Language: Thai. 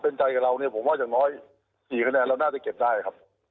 เป็นใจกับเราเนี่ยผมว่าอย่างน้อย๔คะแนนเราน่าจะเก็บได้ครับ